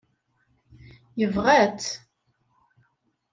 Yebɣa-tt.